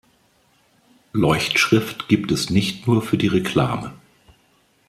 Leuchtschrift gibt es nicht nur für die Reklame.